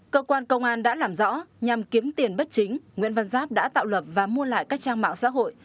cơ quan công an đã làm rõ nhằm kiếm tiền bất chính nguyễn văn giáp đã tạo lập và mua lại các trang mạng xã hội